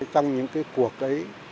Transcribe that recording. trong những cuộc ấy